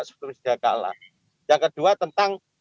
sebelum sudah kalah yang kedua tentang